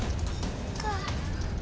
pokoknya di belakang